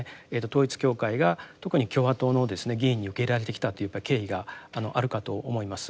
統一教会が特に共和党の議員に受け入れられてきたという経緯があるかと思います。